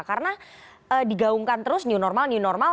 karena digaungkan terus new normal new normal